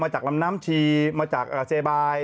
จากลำน้ำชีมาจากเซบาย